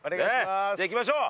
じゃあ行きましょう！